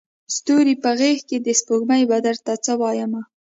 ستوري په غیږکي د سپوږمۍ به درته څه وایمه